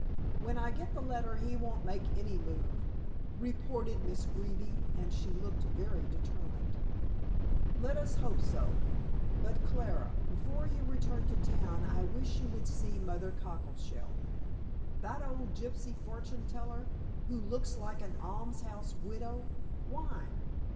"When I get the letter he won't make any move," reported Miss Greeby, and she looked very determined. "Let us hope so. But, Clara, before you return to town I wish you would see Mother Cockleshell." "That old gypsy fortune teller, who looks like an almshouse widow? Why?"